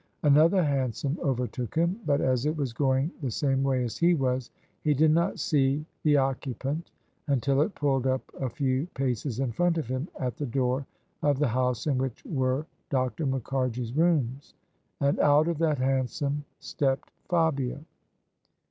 Another hansom overtook him : but as it was going the same way as he was, he did not see the occu pant until it pulled up a few paces in front of him at the door of the house in which were Dr. Mukharji's rooms: and out of that hansom stepped Fabia.